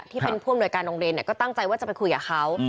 ที่เป็นผู้อำนวยการโรงเรียนก็ตั้งใจว่าจะไปคุยกับเขา